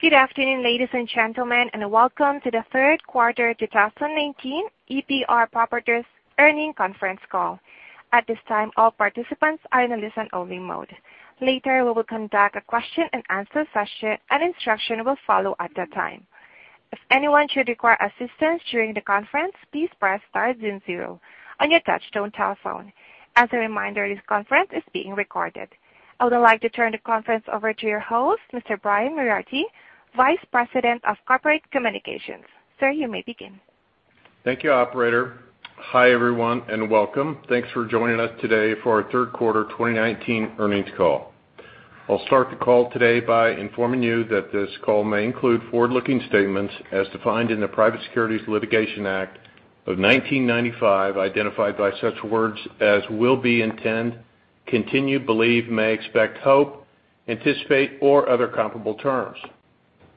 Good afternoon, ladies and gentlemen, and welcome to the third quarter 2019 EPR Properties earnings conference call. At this time, all participants are in a listen-only mode. Later, we will conduct a question and answer session. An instruction will follow at that time. If anyone should require assistance during the conference, please press star zero on your touch-tone telephone. As a reminder, this conference is being recorded. I would like to turn the conference over to your host, Mr. Brian Moriarty, Vice President of Corporate Communications. Sir, you may begin. Thank you, operator. Hi, everyone. Welcome. Thanks for joining us today for our third quarter 2019 earnings call. I'll start the call today by informing you that this call may include forward-looking statements as defined in the Private Securities Litigation Reform Act of 1995, identified by such words as will be, intend, continue, believe, may, expect, hope, anticipate, or other comparable terms.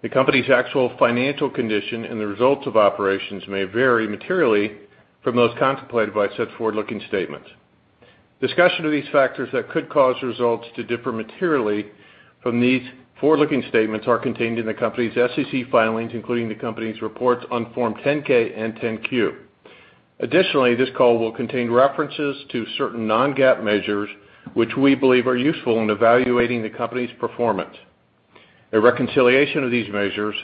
The company's actual financial condition and the results of operations may vary materially from those contemplated by such forward-looking statements. Discussion of these factors that could cause results to differ materially from these forward-looking statements are contained in the company's SEC filings, including the company's reports on Form 10-K and 10-Q. This call will contain references to certain non-GAAP measures which we believe are useful in evaluating the company's performance. A reconciliation of these measures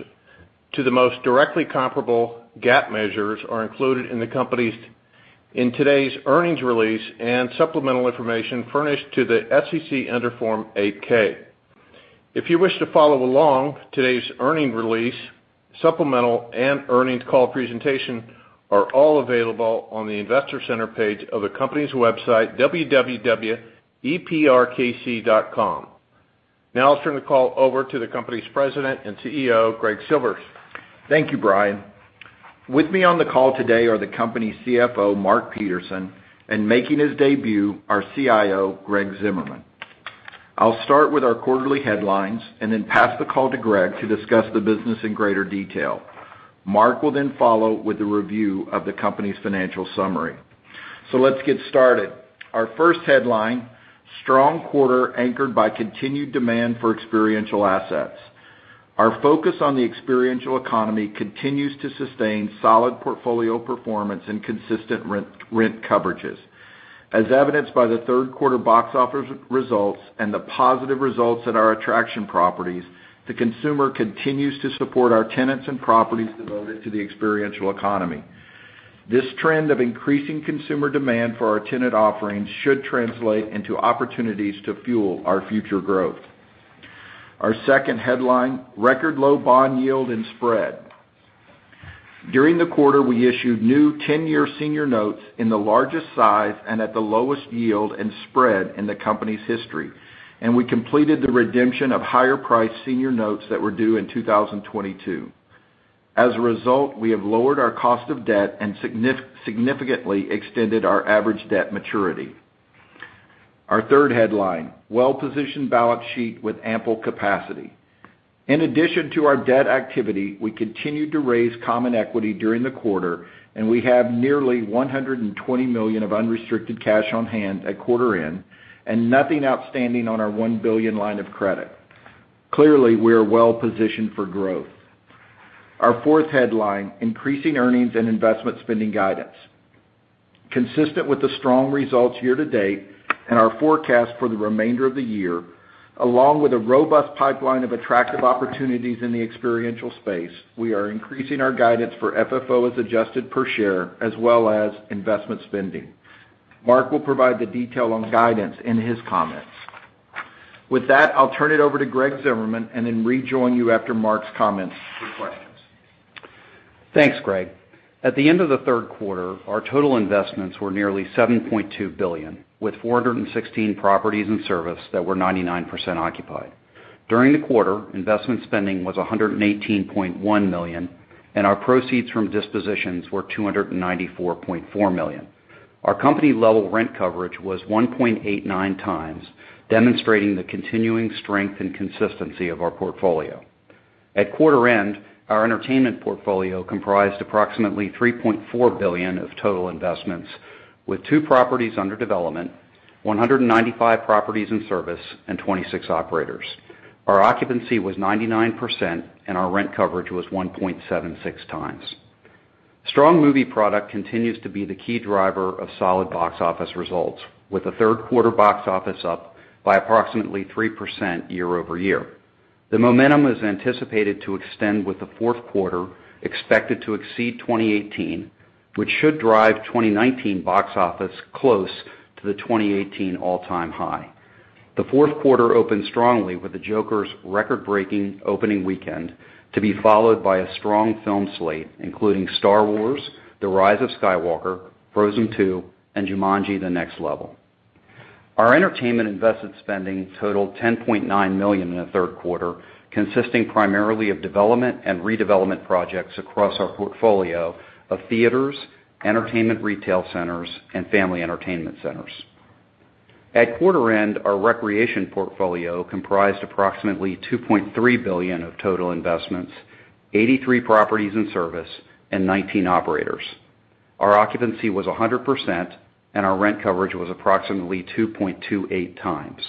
to the most directly comparable GAAP measures are included in today's earnings release and supplemental information furnished to the SEC under Form 8-K. If you wish to follow along, today's earnings release, supplemental, and earnings call presentation are all available on the investor center page of the company's website, www.eprkc.com. I'll turn the call over to the company's President and CEO, Greg Silvers. Thank you, Brian. With me on the call today are the company's CFO, Mark Peterson, and making his debut, our CIO, Greg Zimmerman. I'll start with our quarterly headlines and then pass the call to Greg to discuss the business in greater detail. Mark will then follow with a review of the company's financial summary. Let's get started. Our first headline, strong quarter anchored by continued demand for experiential assets. Our focus on the experiential economy continues to sustain solid portfolio performance and consistent rent coverages. As evidenced by the third quarter box office results and the positive results at our attraction properties, the consumer continues to support our tenants and properties devoted to the experiential economy. This trend of increasing consumer demand for our tenant offerings should translate into opportunities to fuel our future growth. Our second headline, record low bond yield and spread. During the quarter, we issued new 10-year senior notes in the largest size and at the lowest yield and spread in the company's history, and we completed the redemption of higher-priced senior notes that were due in 2022. As a result, we have lowered our cost of debt and significantly extended our average debt maturity. Our third headline, well-positioned balance sheet with ample capacity. In addition to our debt activity, we continued to raise common equity during the quarter, and we have nearly $120 million of unrestricted cash on hand at quarter end, and nothing outstanding on our $1 billion line of credit. Clearly, we are well positioned for growth. Our fourth headline, increasing earnings and investment spending guidance. Consistent with the strong results year to date and our forecast for the remainder of the year, along with a robust pipeline of attractive opportunities in the experiential space, we are increasing our guidance for FFO as adjusted per share as well as investment spending. Mark will provide the detail on guidance in his comments. With that, I'll turn it over to Greg Zimmerman and then rejoin you after Mark's comments with questions. Thanks, Greg. At the end of the third quarter, our total investments were nearly $7.2 billion, with 416 properties and service that were 99% occupied. During the quarter, investment spending was $118.1 million. Our proceeds from dispositions were $294.4 million. Our company-level rent coverage was 1.89 times, demonstrating the continuing strength and consistency of our portfolio. At quarter end, our entertainment portfolio comprised approximately $3.4 billion of total investments, with two properties under development, 195 properties in service, and 26 operators. Our occupancy was 99%. Our rent coverage was 1.76 times. Strong movie product continues to be the key driver of solid box office results, with the third quarter box office up by approximately 3% year-over-year. The momentum is anticipated to extend with the fourth quarter expected to exceed 2018, which should drive 2019 box office close to the 2018 all-time high. The fourth quarter opened strongly with the "Joker" record-breaking opening weekend to be followed by a strong film slate, including "Star Wars: The Rise of Skywalker," "Frozen 2," and "Jumanji: The Next Level." Our entertainment invested spending totaled $10.9 million in the third quarter, consisting primarily of development and redevelopment projects across our portfolio of theaters, entertainment retail centers, and family entertainment centers. At quarter end, our recreation portfolio comprised approximately $2.3 billion of total investments, 83 properties in service, and 19 operators. Our occupancy was 100%, and our rent coverage was approximately 2.28 times.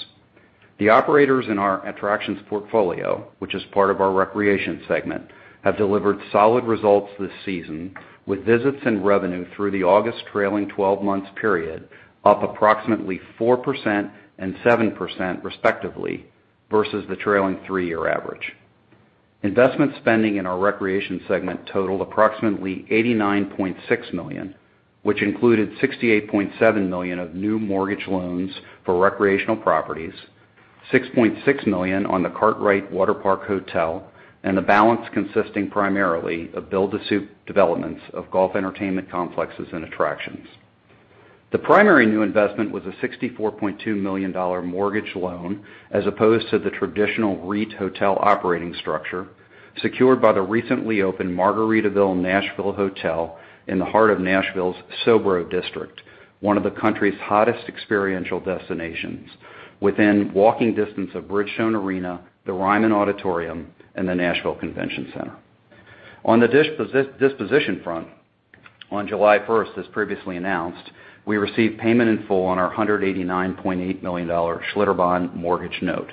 The operators in our attractions portfolio, which is part of our recreation segment, have delivered solid results this season, with visits and revenue through the August trailing 12 months period up approximately 4% and 7% respectively, versus the trailing three-year average. Investment spending in our recreation segment totaled approximately $89.6 million, which included $68.7 million of new mortgage loans for recreational properties, $6.6 million on the Kartrite Waterpark Hotel, and the balance consisting primarily of build-to-suit developments of golf entertainment complexes and attractions. The primary new investment was a $64.2 million mortgage loan, as opposed to the traditional REIT/hotel operating structure, secured by the recently opened Margaritaville Hotel Nashville in the heart of Nashville's SoBro district, one of the country's hottest experiential destinations, within walking distance of Bridgestone Arena, the Ryman Auditorium, and the Nashville Convention Center. On the disposition front, on July 1st, as previously announced, we received payment in full on our $189.8 million Schlitterbahn mortgage note.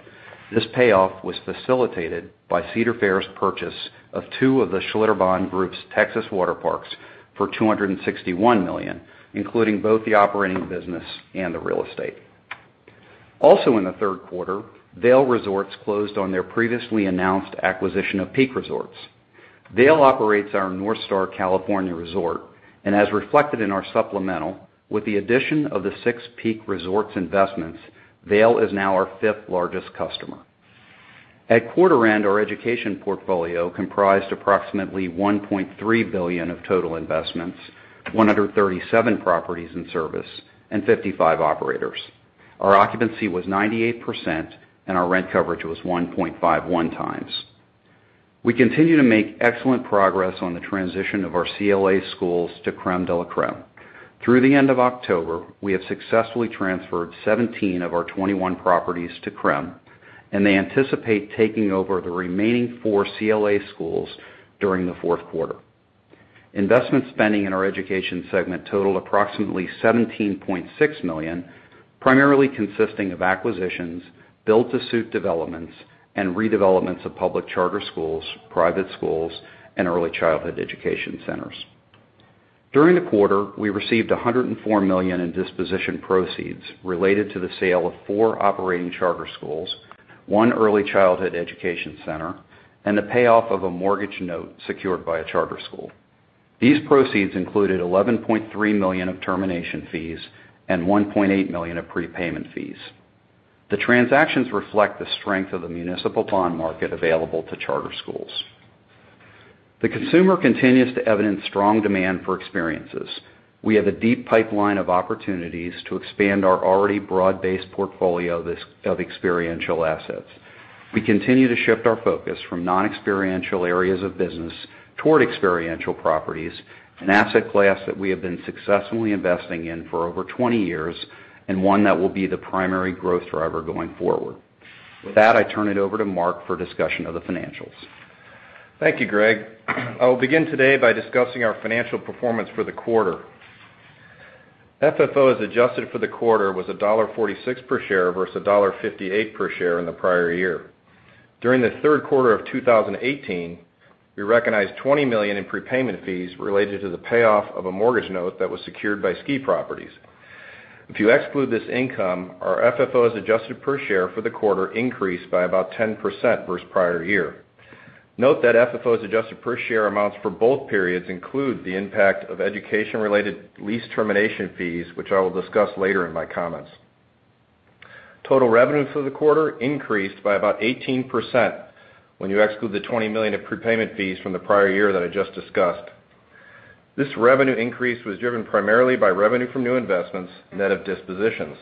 This payoff was facilitated by Cedar Fair's purchase of two of the Schlitterbahn Group's Texas water parks for $261 million, including both the operating business and the real estate. In the third quarter, Vail Resorts closed on their previously announced acquisition of Peak Resorts. Vail operates our Northstar California resort. As reflected in our supplemental, with the addition of the six Peak Resorts investments, Vail is now our fifth-largest customer. At quarter end, our education portfolio comprised approximately $1.3 billion of total investments, 137 properties in service, and 55 operators. Our occupancy was 98%, and our rent coverage was 1.51 times. We continue to make excellent progress on the transition of our CLA schools to Crème de la Crème. Through the end of October, we have successfully transferred 17 of our 21 properties to Crème, they anticipate taking over the remaining four Crème schools during the fourth quarter. Investment spending in our education segment totaled approximately $17.6 million, primarily consisting of acquisitions, build-to-suit developments, and redevelopments of public charter schools, private schools, and early childhood education centers. During the quarter, we received $104 million in disposition proceeds related to the sale of four operating charter schools, one early childhood education center, and the payoff of a mortgage note secured by a charter school. These proceeds included $11.3 million of termination fees and $1.8 million of prepayment fees. The transactions reflect the strength of the municipal bond market available to charter schools. The consumer continues to evidence strong demand for experiences. We have a deep pipeline of opportunities to expand our already broad-based portfolio of experiential assets. We continue to shift our focus from non-experiential areas of business toward experiential properties, an asset class that we have been successfully investing in for over 20 years and one that will be the primary growth driver going forward. With that, I turn it over to Mark for discussion of the financials. Thank you, Greg. I will begin today by discussing our financial performance for the quarter. FFO as adjusted for the quarter was $1.46 per share versus $1.58 per share in the prior year. During the third quarter of 2018, we recognized $20 million in prepayment fees related to the payoff of a mortgage note that was secured by ski properties. If you exclude this income, our FFO as adjusted per share for the quarter increased by about 10% versus prior year. Note that FFO as adjusted per share amounts for both periods include the impact of education-related lease termination fees, which I will discuss later in my comments. Total revenue for the quarter increased by about 18% when you exclude the $20 million of prepayment fees from the prior year that I just discussed. This revenue increase was driven primarily by revenue from new investments, net of dispositions.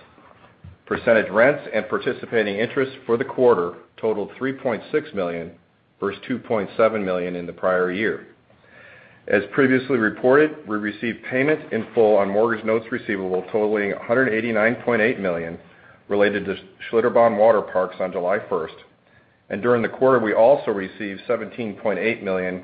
Percentage rents and participating interest for the quarter totaled $3.6 million versus $2.7 million in the prior year. As previously reported, we received payment in full on mortgage notes receivable totaling $189.8 million related to Schlitterbahn water parks on July 1st. During the quarter, we also received $17.8 million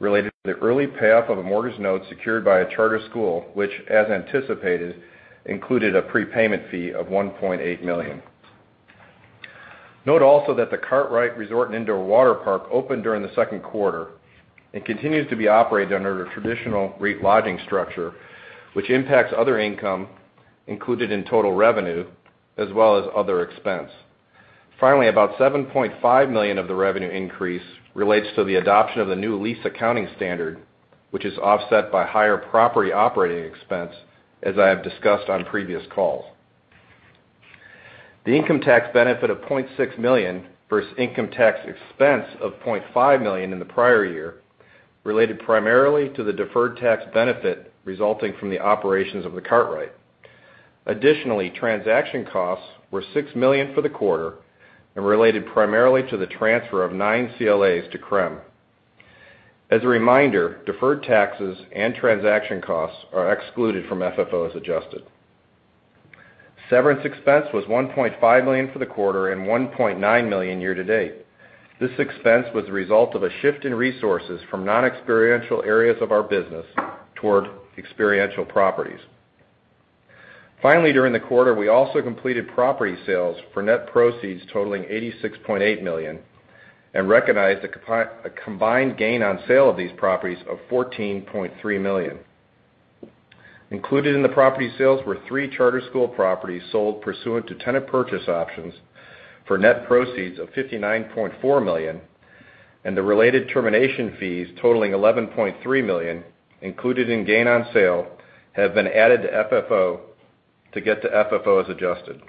related to the early payoff of a mortgage note secured by a charter school, which, as anticipated, included a prepayment fee of $1.8 million. Note also that the Kartrite Resort and Indoor Waterpark opened during the second quarter and continues to be operated under a traditional REIT lodging structure, which impacts other income included in total revenue as well as other expense. Finally, about $7.5 million of the revenue increase relates to the adoption of the new lease accounting standard, which is offset by higher property operating expense, as I have discussed on previous calls. The income tax benefit of $0.6 million versus income tax expense of $0.5 million in the prior year related primarily to the deferred tax benefit resulting from the operations of The Kartrite. Transaction costs were $6 million for the quarter and related primarily to the transfer of nine CLAs to Crème. As a reminder, deferred taxes and transaction costs are excluded from FFO as adjusted. Severance expense was $1.5 million for the quarter and $1.9 million year to date. This expense was the result of a shift in resources from non-experiential areas of our business toward experiential properties. During the quarter, we also completed property sales for net proceeds totaling $86.8 million and recognized a combined gain on sale of these properties of $14.3 million. Included in the property sales were three charter school properties sold pursuant to tenant purchase options for net proceeds of $59.4 million, and the related termination fees totaling $11.3 million included in gain on sale have been added to FFO, to get to FFO as adjusted.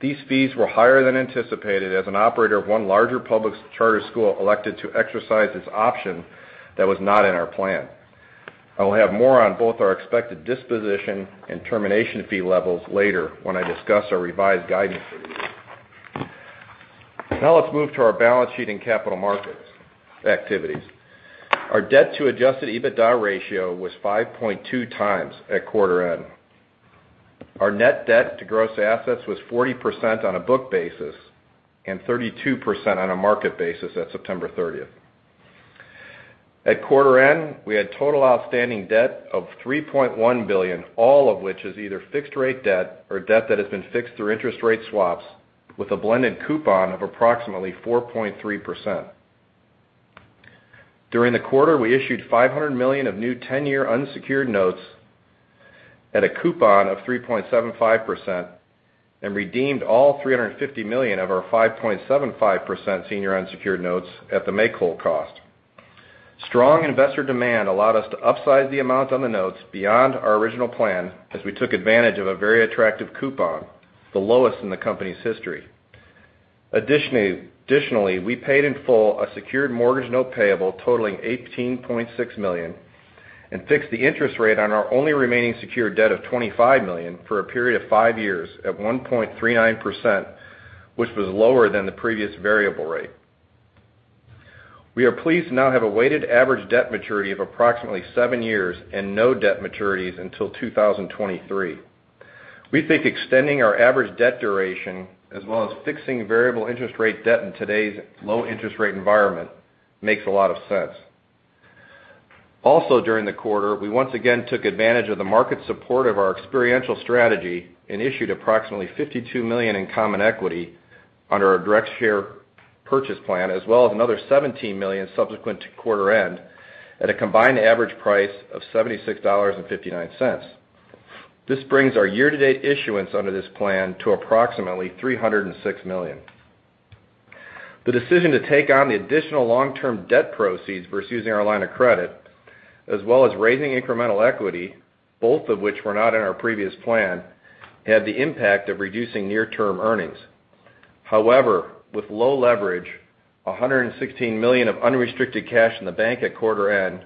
These fees were higher than anticipated as an operator of one larger public charter school elected to exercise its option that was not in our plan. I'll have more on both our expected disposition and termination fee levels later when I discuss our revised guidance for the year. Now let's move to our balance sheet and capital markets activities. Our debt to adjusted EBITDA ratio was 5.2 times at quarter end. Our net debt to gross assets was 40% on a book basis and 32% on a market basis at September 30th. At quarter end, we had total outstanding debt of $3.1 billion, all of which is either fixed rate debt or debt that has been fixed through interest rate swaps with a blended coupon of approximately 4.3%. During the quarter, we issued $500 million of new 10-year unsecured notes at a coupon of 3.75% and redeemed all $350 million of our 5.75% senior unsecured notes at the make-whole cost. Strong investor demand allowed us to upsize the amount on the notes beyond our original plan as we took advantage of a very attractive coupon, the lowest in the company's history. Additionally, we paid in full a secured mortgage note payable totaling $18.6 million and fixed the interest rate on our only remaining secure debt of $25 million for a period of five years at 1.39%, which was lower than the previous variable rate. We are pleased to now have a weighted average debt maturity of approximately seven years and no debt maturities until 2023. We think extending our average debt duration as well as fixing variable interest rate debt in today's low interest rate environment makes a lot of sense. Also during the quarter, we once again took advantage of the market support of our experiential strategy and issued approximately $52 million in common equity under our direct share purchase plan, as well as another $17 million subsequent to quarter end at a combined average price of $76.59. This brings our year-to-date issuance under this plan to approximately $306 million. The decision to take on the additional long-term debt proceeds versus using our line of credit, as well as raising incremental equity, both of which were not in our previous plan, had the impact of reducing near-term earnings. With low leverage, $116 million of unrestricted cash in the bank at quarter end,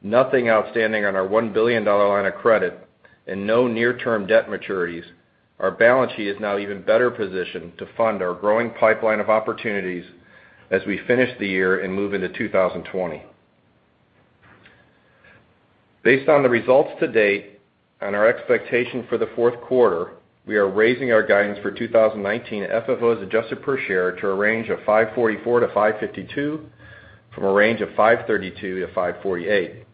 nothing outstanding on our $1 billion line of credit, and no near-term debt maturities, our balance sheet is now even better positioned to fund our growing pipeline of opportunities as we finish the year and move into 2020. Based on the results to date and our expectation for the fourth quarter, we are raising our guidance for 2019 FFO adjusted per share to a range of $5.44-$5.52 from a range of $5.32-$5.48,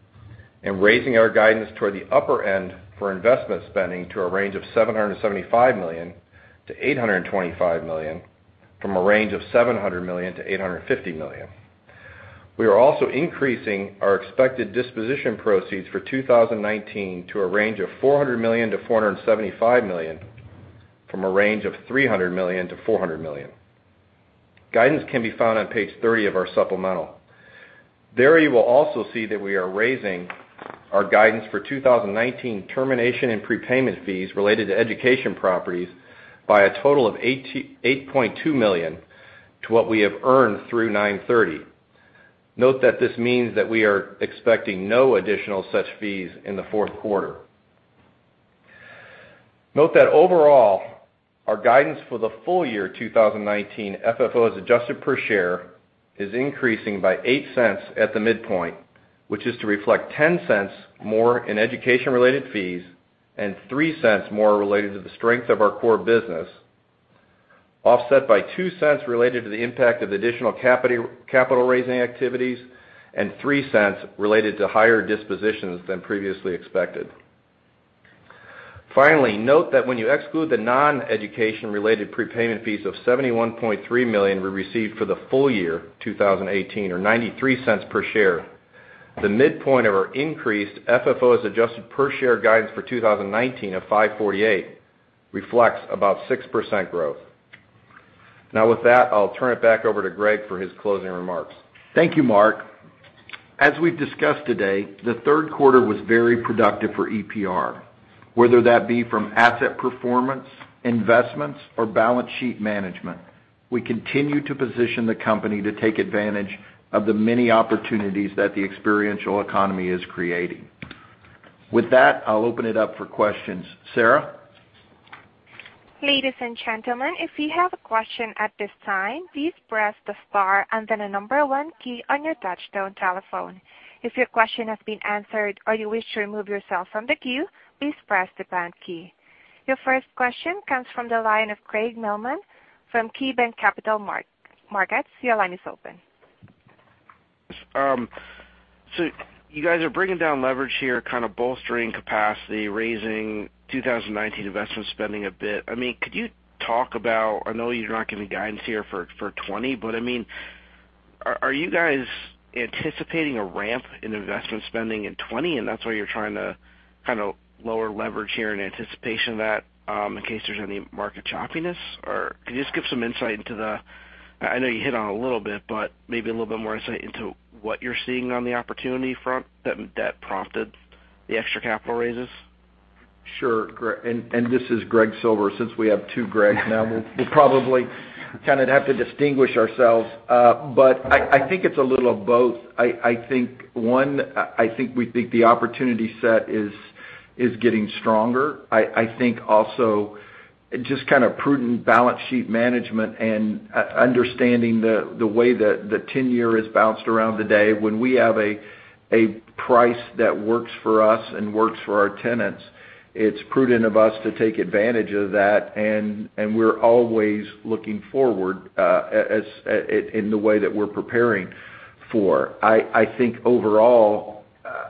and raising our guidance toward the upper end for investment spending to a range of $775 million-$825 million from a range of $700 million-$850 million. We are also increasing our expected disposition proceeds for 2019 to a range of $400 million-$475 million from a range of $300 million-$400 million. Guidance can be found on page 30 of our supplemental. There you will also see that we are raising our guidance for 2019 termination and prepayment fees related to education properties by a total of $8.2 million to what we have earned through 9/30. Note that this means that we are expecting no additional such fees in the fourth quarter. Note that overall, our guidance for the full year 2019 FFOs adjusted per share is increasing by $0.08 at the midpoint, which is to reflect $0.10 more in education-related fees and $0.03 more related to the strength of our core business, offset by $0.02 related to the impact of additional capital raising activities and $0.03 related to higher dispositions than previously expected. Finally, note that when you exclude the non-education related prepayment fees of $71.3 million we received for the full year 2018 or $0.93 per share, the midpoint of our increased FFOs adjusted per share guidance for 2019 of $5.48 reflects about 6% growth. Now with that, I'll turn it back over to Greg for his closing remarks. Thank you, Mark. As we've discussed today, the third quarter was very productive for EPR. Whether that be from asset performance, investments, or balance sheet management, we continue to position the company to take advantage of the many opportunities that the experiential economy is creating. With that, I'll open it up for questions. Sarah? Ladies and gentlemen, if you have a question at this time, please press the star and then the number one key on your touchtone telephone. If your question has been answered or you wish to remove yourself from the queue, please press the pound key. Your first question comes from the line of Craig Mailman from KeyBanc Capital Markets. Your line is open. You guys are bringing down leverage here, kind of bolstering capacity, raising 2019 investment spending a bit. Could you talk about, I know you're not giving guidance here for 2020, but are you guys anticipating a ramp in investment spending in 2020, and that's why you're trying to kind of lower leverage here in anticipation of that, in case there's any market choppiness? Can you just give some insight into the I know you hit on it a little bit, but maybe a little bit more insight into what you're seeing on the opportunity front that prompted the extra capital raises? Sure. This is Greg Silvers. Since we have two Gregs now, we'll probably kind of have to distinguish ourselves. I think it's a little of both. One, I think we think the opportunity set is getting stronger. I think also just kind of prudent balance sheet management and understanding the way that the 10-year has bounced around today. When we have a price that works for us and works for our tenants, it's prudent of us to take advantage of that, and we're always looking forward in the way that we're preparing for. I think overall,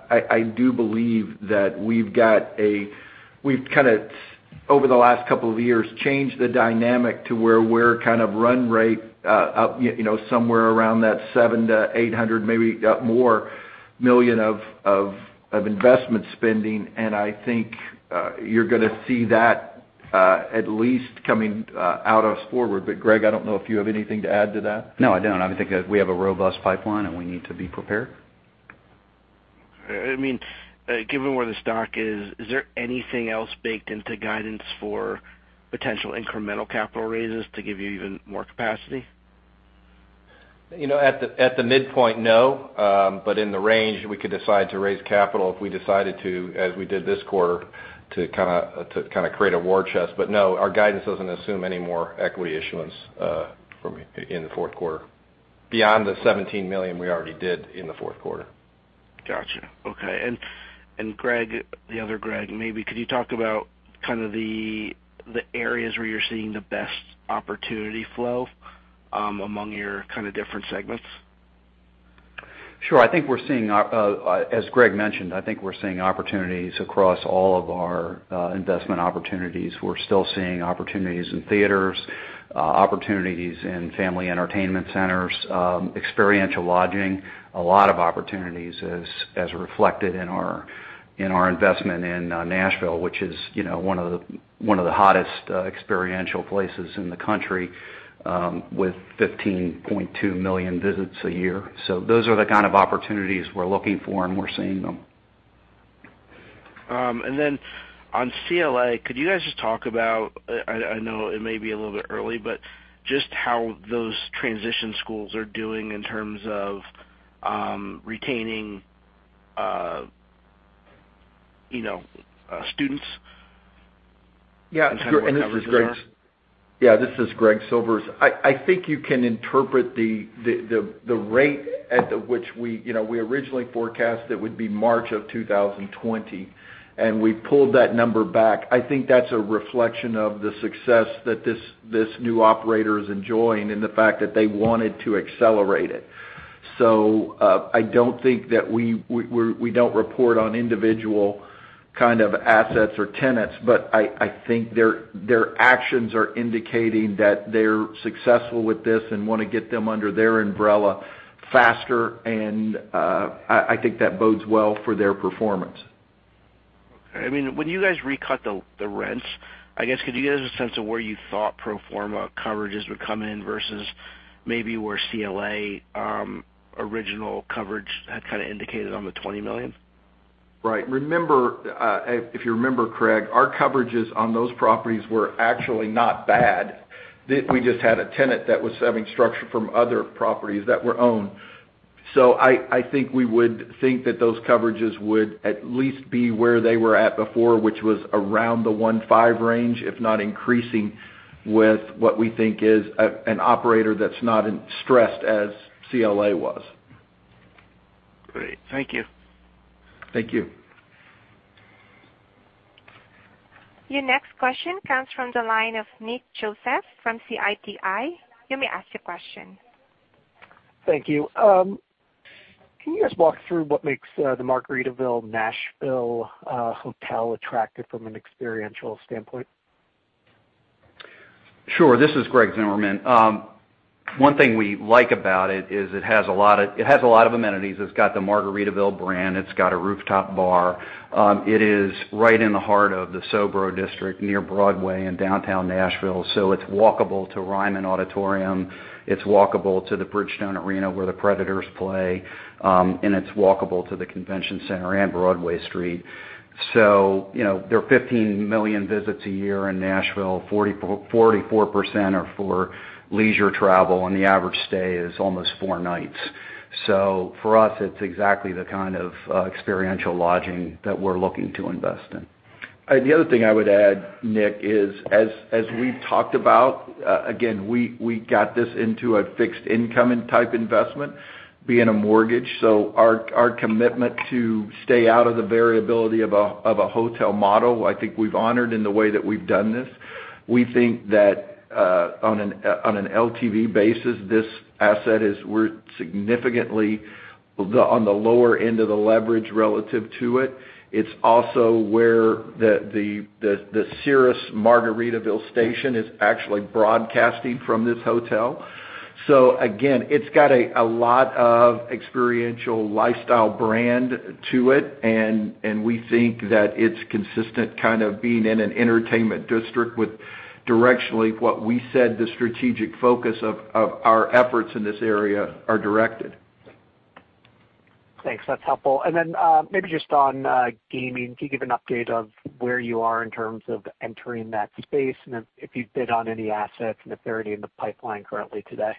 I do believe that we've kind of, over the last couple of years, changed the dynamic to where we're kind of run rate up somewhere around that $700 million to $800 million, maybe more, of investment spending, and I think you're going to see that at least coming out us forward. Greg, I don't know if you have anything to add to that. No, I don't. I think that we have a robust pipeline, and we need to be prepared. Given where the stock is there anything else baked into guidance for potential incremental capital raises to give you even more capacity? At the midpoint, no. In the range, we could decide to raise capital if we decided to, as we did this quarter, to kind of create a war chest. No, our guidance doesn't assume any more equity issuance from in the fourth quarter beyond the $17 million we already did in the fourth quarter. Got you. Okay. Greg, the other Greg, maybe could you talk about kind of the areas where you're seeing the best opportunity flow among your kind of different segments? Sure. As Greg mentioned, I think we're seeing opportunities across all of our investment opportunities. We're still seeing opportunities in theaters, opportunities in family entertainment centers, experiential lodging. A lot of opportunities as reflected in our investment in Nashville, which is one of the hottest experiential places in the country, with 15.2 million visits a year. Those are the kind of opportunities we're looking for, and we're seeing them. On CLA, could you guys just talk about, I know it may be a little bit early, but just how those transition schools are doing in terms of retaining students in terms of coverage there? Yeah, this is Greg Silvers. I think you can interpret the rate at which we originally forecast it would be March of 2020, and we pulled that number back. I think that's a reflection of the success that this new operator is enjoying and the fact that they wanted to accelerate it. I don't think that we don't report on individual kind of assets or tenants, but I think their actions are indicating that they're successful with this and want to get them under their umbrella faster, and I think that bodes well for their performance. Okay. When you guys recut the rents, I guess, could you give us a sense of where you thought pro forma coverages would come in versus maybe where CLA original coverage had kind of indicated on the $20 million? Right. If you remember, Craig, our coverages on those properties were actually not bad. We just had a tenant that was having structure from other properties that were owned. We would think that those coverages would at least be where they were at before, which was around the 1.5 range, if not increasing with what we think is an operator that's not as stressed as CLA was. Great. Thank you. Thank you. Your next question comes from the line of Nicholas Joseph from Citi. You may ask your question. Thank you. Can you guys walk through what makes the Margaritaville Nashville Hotel attractive from an experiential standpoint? Sure. This is Greg Zimmerman. One thing we like about it is it has a lot of amenities. It's got the Margaritaville brand. It's got a rooftop bar. It is right in the heart of the SoBro district near Broadway in downtown Nashville. It's walkable to Ryman Auditorium. It's walkable to the Bridgestone Arena, where the Predators play. It's walkable to the Convention Center and Broadway Street. There are 15 million visits a year in Nashville. 44% are for leisure travel, and the average stay is almost four nights. For us, it's exactly the kind of experiential lodging that we're looking to invest in. The other thing I would add, Nick, is as we've talked about, again, we got this into a fixed income and type investment, being a mortgage. Our commitment to stay out of the variability of a hotel model, I think we've honored in the way that we've done this. We think that on an LTV basis, this asset is worth significantly on the lower end of the leverage relative to it. It's also where the Sirius Margaritaville station is actually broadcasting from this hotel. Again, it's got a lot of experiential lifestyle brand to it, and we think that it's consistent, kind of being in an entertainment district with directionally what we said the strategic focus of our efforts in this area are directed. Thanks. That's helpful. Then, maybe just on gaming, can you give an update of where you are in terms of entering that space? And if you've bid on any assets and if they're already in the pipeline currently today?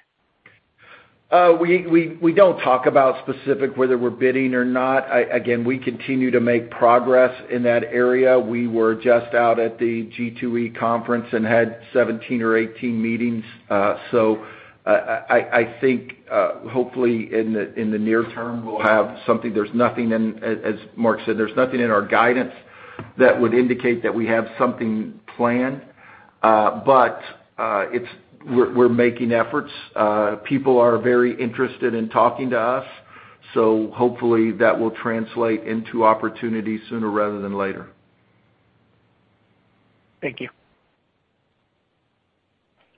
We don't talk about specific, whether we're bidding or not. Again, we continue to make progress in that area. We were just out at the G2E conference and had 17 or 18 meetings. I think, hopefully, in the near term, we'll have something. As Mark said, there's nothing in our guidance that would indicate that we have something planned. We're making efforts. People are very interested in talking to us, so hopefully, that will translate into opportunities sooner rather than later. Thank you.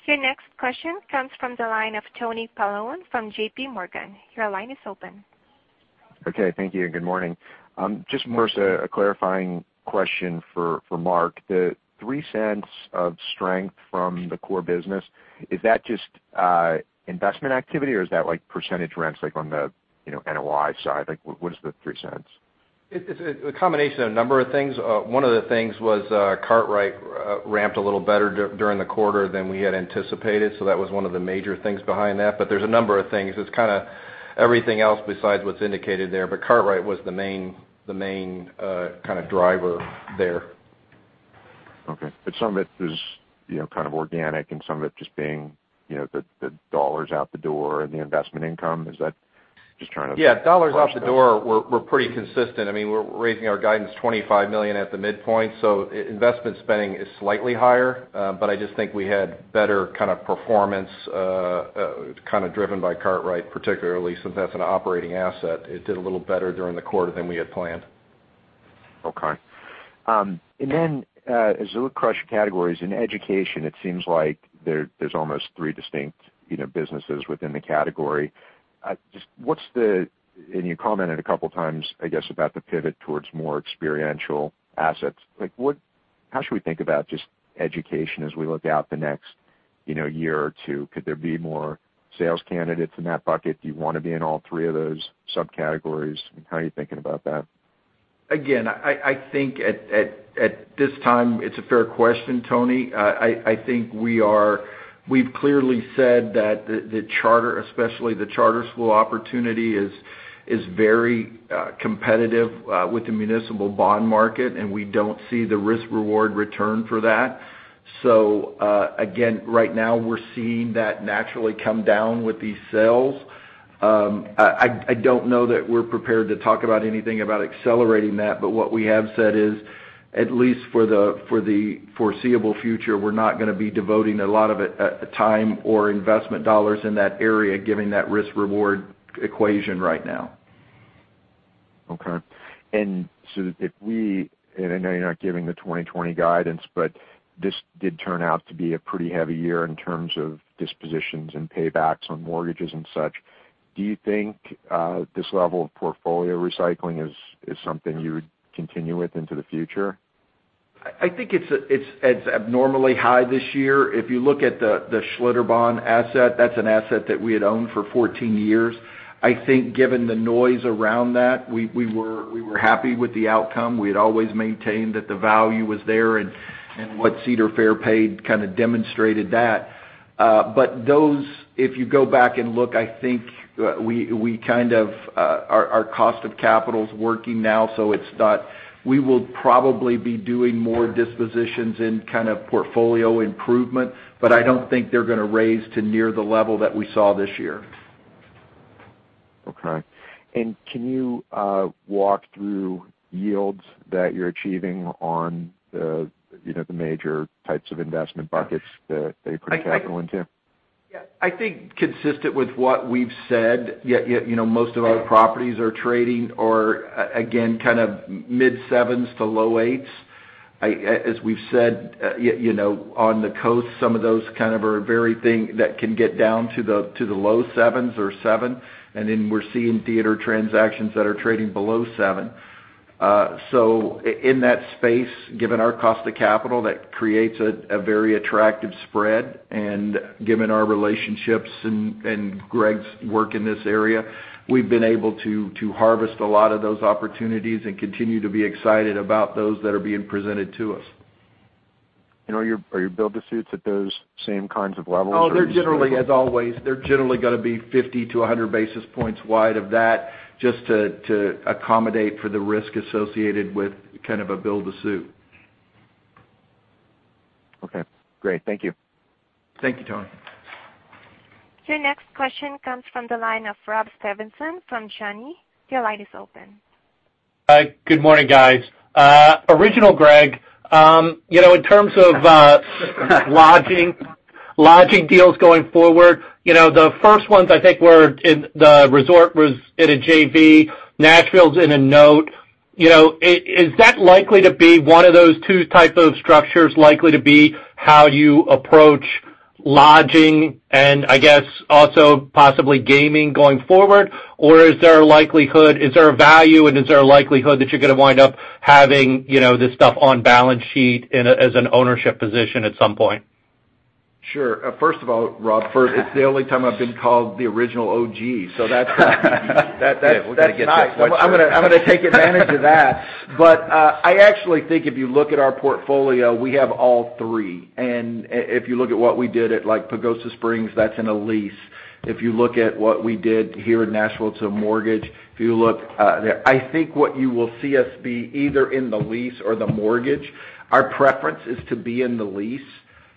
Your next question comes from the line of Tony Paolone from JPMorgan. Your line is open. Okay. Thank you, good morning. Just first, a clarifying question for Mark. The $0.03 of strength from the core business, is that just investment activity, or is that percentage rents, like on the NOI side? What is the $0.03? It's a combination of a number of things. One of the things was The Kartrite ramped a little better during the quarter than we had anticipated. That was one of the major things behind that. There's a number of things. It's kind of everything else besides what's indicated there. The Kartrite was the main kind of driver there. Okay. Some of it is kind of organic and some of it just being the dollars out the door and the investment income. Is that? Yeah. Dollars out the door, we're pretty consistent. We're raising our guidance $25 million at the midpoint, Investment spending is slightly higher. I just think we had better kind of performance, kind of driven by The Kartrite, particularly since that's an operating asset. It did a little better during the quarter than we had planned. Okay. As we crush categories in education, it seems like there's almost three distinct businesses within the category. You commented a couple of times, I guess, about the pivot towards more experiential assets. How should we think about just education as we look out the next year or two? Could there be more sales candidates in that bucket? Do you want to be in all three of those subcategories? How are you thinking about that? I think at this time, it's a fair question, Tony. I think we've clearly said that the charter, especially the charter school opportunity, is very competitive with the municipal bond market, and we don't see the risk-reward return for that. Right now, we're seeing that naturally come down with these sales. I don't know that we're prepared to talk about anything about accelerating that, but what we have said is, at least for the foreseeable future, we're not going to be devoting a lot of time or investment dollars in that area, given that risk-reward equation right now. Okay. If we, and I know you're not giving the 2020 guidance, but this did turn out to be a pretty heavy year in terms of dispositions and paybacks on mortgages and such. Do you think this level of portfolio recycling is something you would continue with into the future? I think it's abnormally high this year. If you look at the Schlitterbahn asset, that's an asset that we had owned for 14 years. I think given the noise around that, we were happy with the outcome. We had always maintained that the value was there and what Cedar Fair paid kind of demonstrated that. Those, if you go back and look, I think our cost of capital is working now. We will probably be doing more dispositions in kind of portfolio improvement, but I don't think they're going to raise to near the level that we saw this year. Okay. Can you walk through yields that you're achieving on the major types of investment buckets that you put capital into? Yeah. I think consistent with what we've said, most of our properties are trading or again, kind of mid sevens to low eights. As we've said, on the coast, some of those kind of are a very thing that can get down to the low sevens or seven, then we're seeing theater transactions that are trading below seven. In that space, given our cost of capital, that creates a very attractive spread. Given our relationships and Greg's work in this area, we've been able to harvest a lot of those opportunities and continue to be excited about those that are being presented to us. Are your build-to-suits at those same kinds of levels, or? Oh, they're generally, as always, they're generally gonna be 50 to 100 basis points wide of that, just to accommodate for the risk associated with kind of a build to suit. Okay, great. Thank you. Thank you, Tony. Your next question comes from the line of Rob Stevenson from Janney. Your line is open. Hi. Good morning, guys. Original Greg, in terms of lodging deals going forward, the first ones I think were in the resort was in a JV, Nashville's in a note. Is that likely to be one of those two type of structures likely to be how you approach lodging and I guess also possibly gaming going forward? Is there a value and is there a likelihood that you're gonna wind up having this stuff on balance sheet as an ownership position at some point? Sure. First of all, Rob, it's the only time I've been called the original OG, so that's- Yeah. We got to get that sweatshirt. That's nice. I'm gonna take advantage of that. I actually think if you look at our portfolio, we have all three. If you look at what we did at like Pagosa Springs, that's in a lease. If you look at what we did here in Nashville, it's a mortgage. I think what you will see us be either in the lease or the mortgage. Our preference is to be in the lease.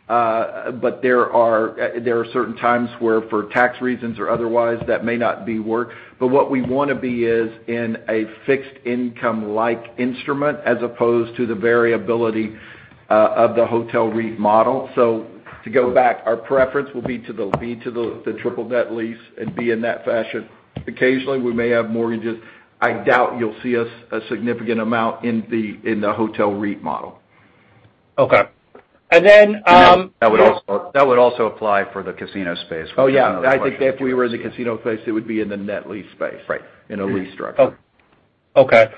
There are certain times where for tax reasons or otherwise, that may not be work. What we wanna be is in a fixed income-like instrument, as opposed to the variability of the hotel REIT model. To go back, our preference will be to the triple net lease and be in that fashion. Occasionally we may have mortgages. I doubt you'll see us a significant amount in the hotel REIT model. Okay. That would also apply for the casino space, which is another question. Oh, yeah. I think if we were in the casino space, it would be in the net lease space. Right. In a lease structure. Okay.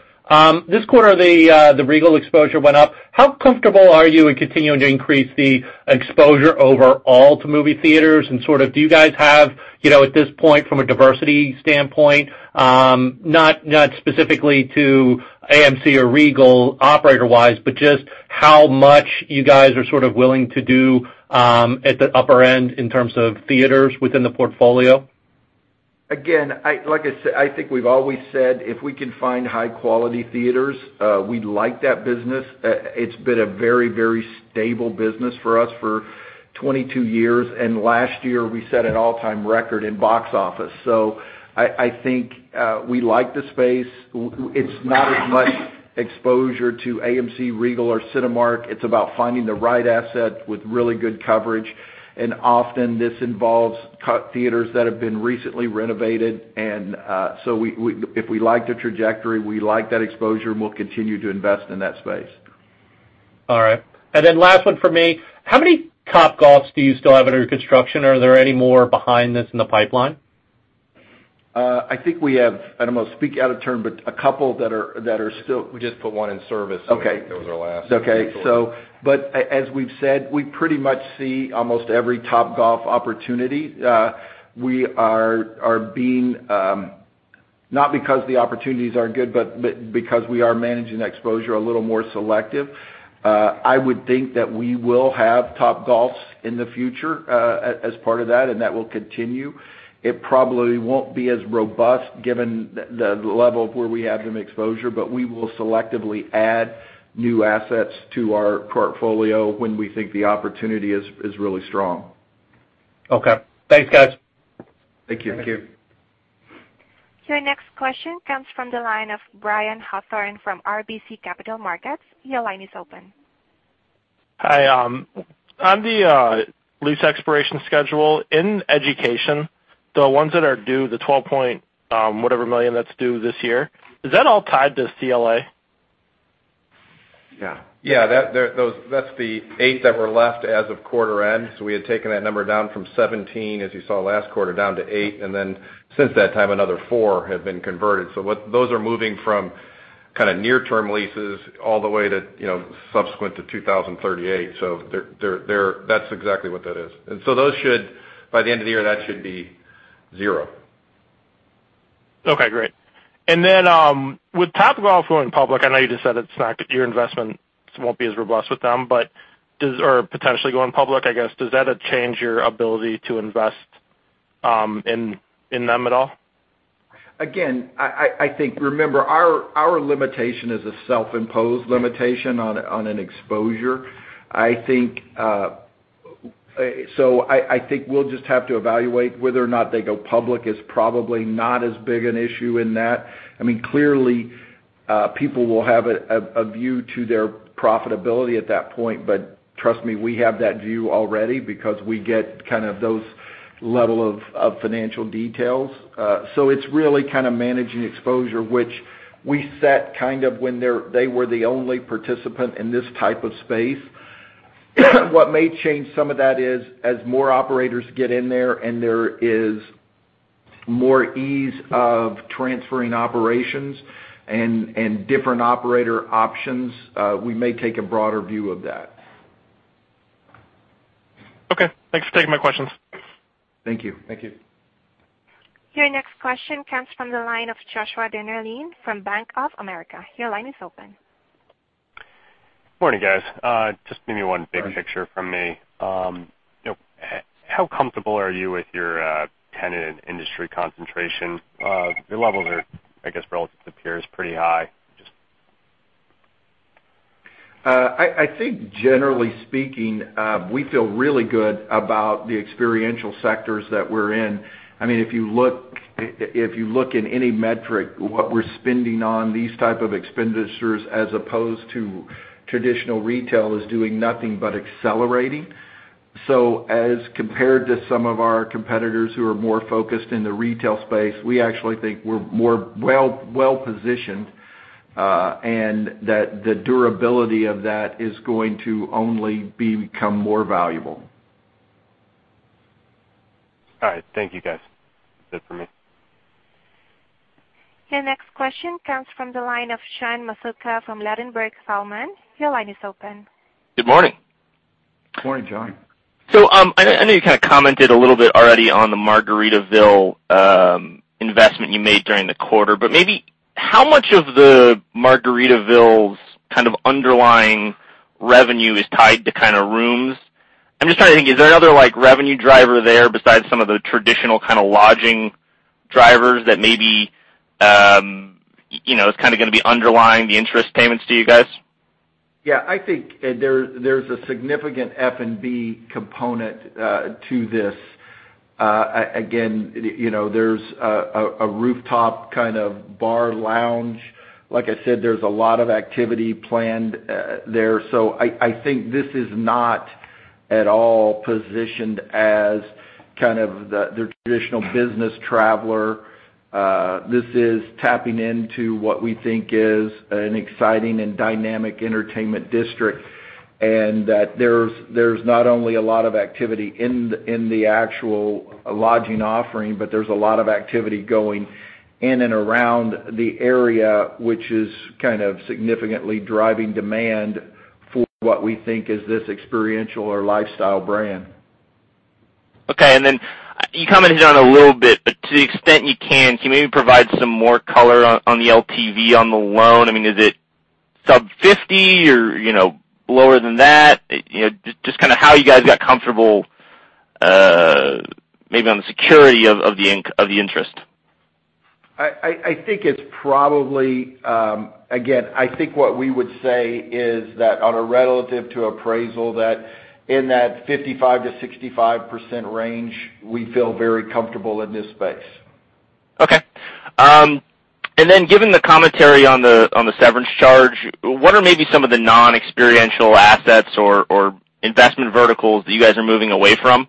This quarter, the Regal exposure went up. How comfortable are you in continuing to increase the exposure overall to movie theaters? Sort of do you guys have, at this point from a diversity standpoint, not specifically to AMC or Regal operator-wise, but just how much you guys are sort of willing to do at the upper end in terms of theaters within the portfolio? Again, like I said, I think we've always said if we can find high-quality theaters, we like that business. It's been a very, very stable business for us for 22 years. Last year, we set an all-time record in box office. I think we like the space. It's not as much exposure to AMC, Regal, or Cinemark. It's about finding the right asset with really good coverage. Often, this involves theaters that have been recently renovated. If we like the trajectory, we like that exposure, and we'll continue to invest in that space. All right. Last one from me. How many Topgolfs do you still have under construction? Are there any more behind this in the pipeline? I think we have, I don't want to speak out of turn, but a couple. We just put one in service. Okay. I think that was our last. As we've said, we pretty much see almost every Topgolf opportunity. Not because the opportunities aren't good, but because we are managing exposure a little more selective. I would think that we will have Topgolfs in the future as part of that, and that will continue. It probably won't be as robust given the level of where we have the exposure, but we will selectively add new assets to our portfolio when we think the opportunity is really strong. Okay. Thanks, guys. Thank you. Thank you. Your next question comes from the line of Brian Hawthorne from RBC Capital Markets. Your line is open. Hi. On the lease expiration schedule in education, the ones that are due, the $12-point whatever million that's due this year, is that all tied to CLA? Yeah. Yeah. That's the eight that were left as of quarter end. We had taken that number down from 17, as you saw last quarter, down to eight. Since that time, another four have been converted. Those are moving from kind of near-term leases all the way to subsequent to 2038. That's exactly what that is. Those should, by the end of the year, that should be zero. Okay, great. With Topgolf going public, I know you just said it's not your investment, so it won't be as robust with them. Potentially going public, I guess, does that change your ability to invest in them at all? Again, I think, remember, our limitation is a self-imposed limitation on an exposure. I think we'll just have to evaluate. Whether or not they go public is probably not as big an issue in that. I mean, clearly, people will have a view to their profitability at that point, but trust me, we have that view already because we get kind of those level of financial details. It's really kind of managing exposure, which we set kind of when they were the only participant in this type of space. What may change some of that is as more operators get in there and there is more ease of transferring operations and different operator options, we may take a broader view of that. Okay. Thanks for taking my questions. Thank you. Thank you. Your next question comes from the line of Joshua Dennerlein from Bank of America. Your line is open. Morning, guys. Just give me one big picture from me. How comfortable are you with your tenant industry concentration? Your levels are, I guess, relative to peers, pretty high. I think generally speaking, we feel really good about the experiential sectors that we're in. If you look in any metric, what we're spending on these type of expenditures as opposed to traditional retail is doing nothing but accelerating. As compared to some of our competitors who are more focused in the retail space, we actually think we're more well-positioned, and that the durability of that is going to only become more valuable. All right. Thank you, guys. That's it for me. Your next question comes from the line of John Massocca from Ladenburg Thalmann. Your line is open. Good morning. Morning, John. I know you kind of commented a little bit already on the Margaritaville investment you made during the quarter, but maybe how much of the Margaritaville's kind of underlying revenue is tied to kind of rooms? I'm just trying to think, is there another revenue driver there besides some of the traditional kind of lodging drivers that maybe is kind of going to be underlying the interest payments to you guys? Yeah, I think there's a significant F&B component to this. There's a rooftop kind of bar lounge. Like I said, there's a lot of activity planned there. I think this is not at all positioned as kind of the traditional business traveler. This is tapping into what we think is an exciting and dynamic entertainment district, and that there's not only a lot of activity in the actual lodging offering, but there's a lot of activity going in and around the area, which is kind of significantly driving demand for what we think is this experiential or lifestyle brand. Okay. Then you commented on it a little bit, but to the extent you can you maybe provide some more color on the LTV on the loan? I mean, is it sub 50 or lower than that? Just kind of how you guys got comfortable, maybe on the security of the interest? I think again, I think what we would say is that on a relative to appraisal, that in that 55%-65% range, we feel very comfortable in this space. Okay. Then given the commentary on the severance charge, what are maybe some of the non-experiential assets or investment verticals that you guys are moving away from?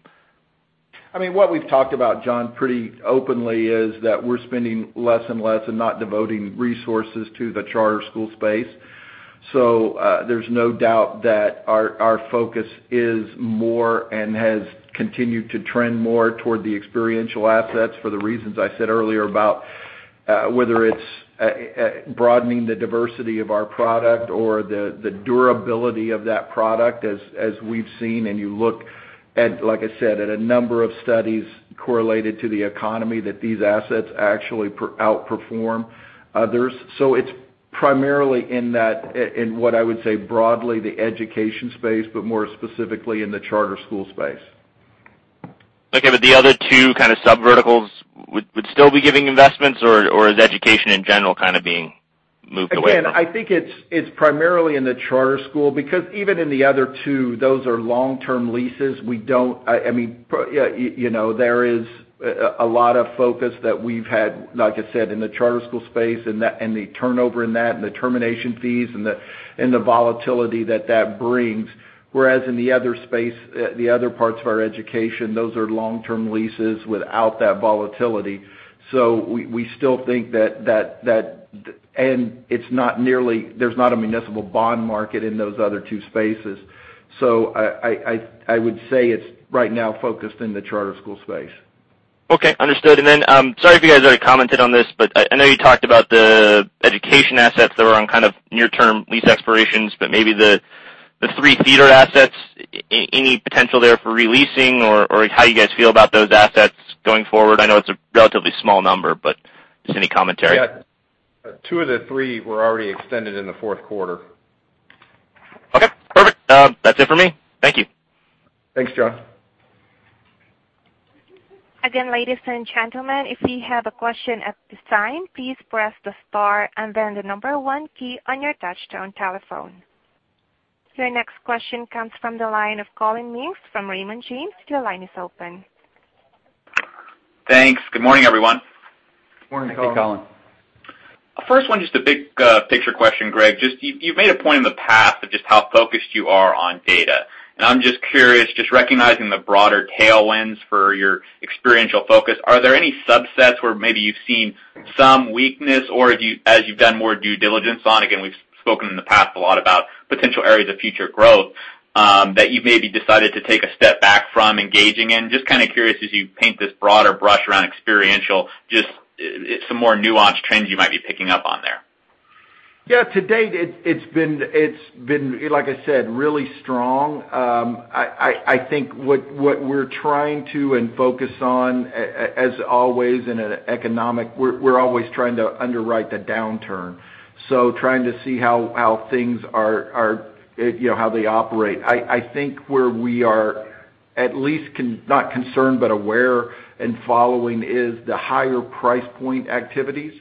What we've talked about, John, pretty openly, is that we're spending less and less and not devoting resources to the charter school space. There's no doubt that our focus is more and has continued to trend more toward the experiential assets for the reasons I said earlier about whether it's broadening the diversity of our product or the durability of that product as we've seen. You look at, like I said, at a number of studies correlated to the economy that these assets actually outperform others. It's primarily in what I would say broadly the education space, but more specifically in the charter school space. Okay, the other two kind of sub-verticals would still be giving investments, or is education in general kind of being moved away from? Again, I think it's primarily in the charter school, because even in the other two, those are long-term leases. There is a lot of focus that we've had, like I said, in the charter school space and the turnover in that and the termination fees and the volatility that that brings. Whereas in the other space, the other parts of our education, those are long-term leases without that volatility. There's not a municipal bond market in those other two spaces. I would say it's right now focused in the charter school space. Okay, understood. Sorry if you guys already commented on this, I know you talked about the education assets that were on kind of near-term lease expirations, maybe the three theater assets, any potential there for re-leasing, or how you guys feel about those assets going forward? I know it's a relatively small number, just any commentary. Yeah. Two of the three were already extended in the fourth quarter. Okay, perfect. That's it for me. Thank you. Thanks, John. Again, ladies and gentlemen, if you have a question at this time, please press the star and then the number one key on your touchtone telephone. Your next question comes from the line of Colin Meeks from Raymond James. Your line is open. Thanks. Good morning, everyone. Morning, Colin. Hey, Colin. First one, just a big picture question, Greg. You've made a point in the past of just how focused you are on data, and I'm just curious, just recognizing the broader tailwinds for your experiential focus, are there any subsets where maybe you've seen some weakness or as you've done more due diligence on, again, we've spoken in the past a lot about potential areas of future growth, that you've maybe decided to take a step back from engaging in? Just kind of curious as you paint this broader brush around experiential, just some more nuanced trends you might be picking up on there? Yeah, to date, it's been, like I said, really strong. We're always trying to underwrite the downturn, so trying to see how things operate. I think where we are at least, not concerned, but aware and following is the higher price point activities.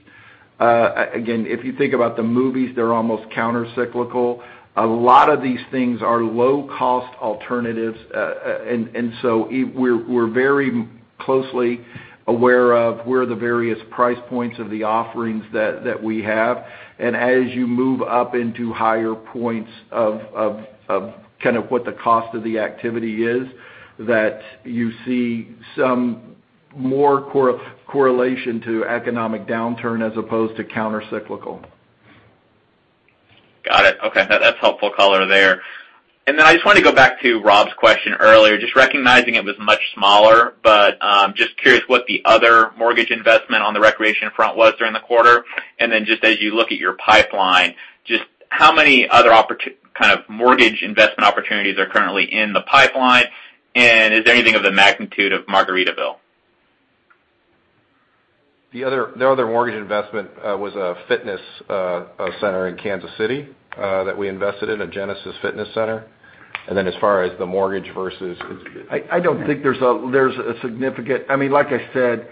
If you think about the movies, they're almost counter-cyclical. A lot of these things are low-cost alternatives, and so we're very closely aware of where the various price points of the offerings that we have. As you move up into higher points of what the cost of the activity is, that you see some more correlation to economic downturn as opposed to counter-cyclical. Got it. Okay. That's helpful color there. I just wanted to go back to Rob's question earlier, just recognizing it was much smaller, but just curious what the other mortgage investment on the recreation front was during the quarter. Just as you look at your pipeline, just how many other kind of mortgage investment opportunities are currently in the pipeline? Is there anything of the magnitude of Margaritaville? The other mortgage investment was a fitness center in Kansas City that we invested in, a Genesis fitness center. I don't think there's a significant Like I said,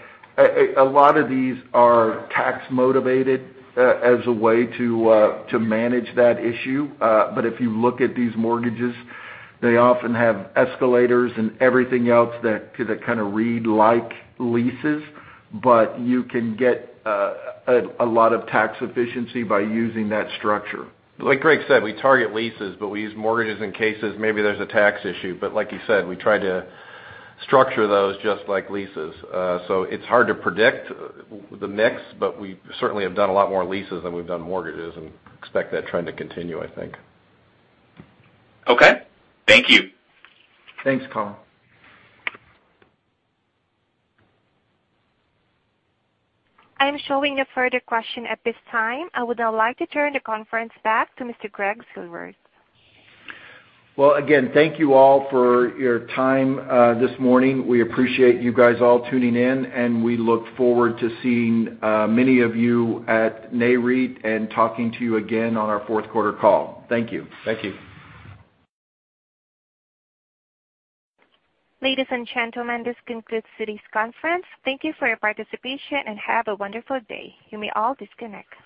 a lot of these are tax-motivated as a way to manage that issue. If you look at these mortgages, they often have escalators and everything else that kind of read like leases. You can get a lot of tax efficiency by using that structure. Like Greg said, we target leases, we use mortgages in cases maybe there's a tax issue. Like he said, we try to structure those just like leases. It's hard to predict the mix, we certainly have done a lot more leases than we've done mortgages, and expect that trend to continue, I think. Okay. Thank you. Thanks, Colin. I am showing no further question at this time. I would now like to turn the conference back to Mr. Greg Silvers. Again, thank you all for your time this morning. We appreciate you guys all tuning in, and we look forward to seeing many of you at Nareit and talking to you again on our fourth quarter call. Thank you. Thank you. Ladies and gentlemen, this concludes today's conference. Thank you for your participation, and have a wonderful day. You may all disconnect.